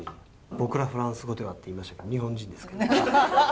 「僕らフランス語では」って言いましたけど日本人ですけどね。